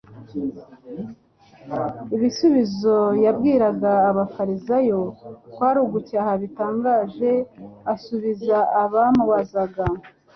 Ibisubizo yabwiraga abafarisayo kwari ugucyaha gutangaje asubiza abamubazaga.